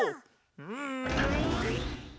うん！